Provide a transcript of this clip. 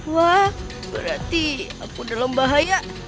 wah berarti aku dalam bahaya